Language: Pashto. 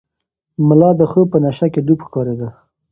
ملا د خوب په نشه کې ډوب ښکارېده.